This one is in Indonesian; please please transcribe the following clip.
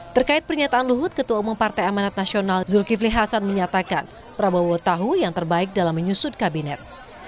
terkait pernyataan luhut ketua umum partai amanat nasional zulkifli hasan menyatakan prabowo tahu yang terbaik dalam menyusut kabinet